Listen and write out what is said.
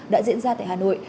đã diễn ra tại hà nội